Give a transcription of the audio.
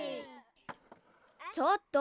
ちょっと！